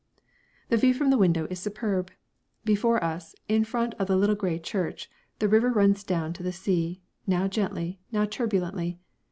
The view from the window is superb. Before us, in front of the little grey church, the river runs down to the sea, now gently, now turbulently.